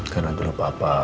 karena dulu papa